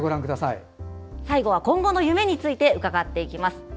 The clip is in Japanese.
最後は今後の夢について伺っていきます。